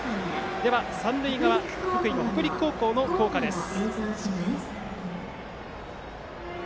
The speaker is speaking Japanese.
では、三塁側福井の北陸高校の校歌です。